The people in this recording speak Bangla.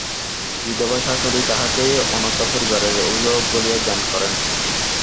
বিধবা শাশুড়ি তাঁহাকেই অনাথা পরিবারের অভিভাবক বলিয়া জ্ঞান করেন।